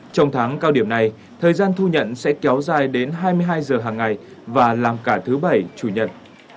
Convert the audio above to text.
trong tháng cao điểm này thời gian thu nhận sẽ kéo dài đến hai mươi hai giờ hàng ngày và làm cả thứ bảy chủ nhật